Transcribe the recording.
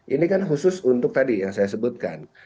ini kan khusus untuk tadi yang saya sebutkan